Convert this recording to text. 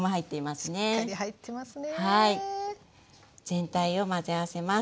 全体を混ぜ合わせます。